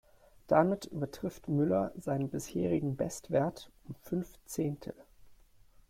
Damit übertrifft Müller seinen bisherigen Bestwert um fünf Zehntel.